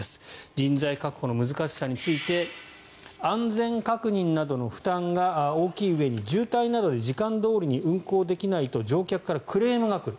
人材確保の難しさについて安全確認などの負担が大きいうえに渋滞などで時間どおりに運行できないと乗客からクレームが来る。